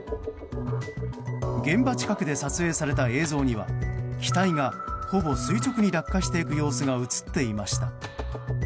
現場近くで撮影された映像には機体がほぼ垂直に落下していく様子が映っていました。